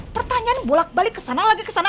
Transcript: pertanyaan bolak balik kesana lagi kesana